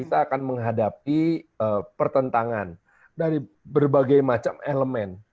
kita akan menghadapi pertentangan dari berbagai macam elemen